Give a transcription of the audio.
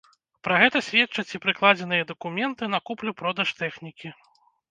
Пра гэта сведчаць і прыкладзеныя дакументы на куплю-продаж тэхнікі.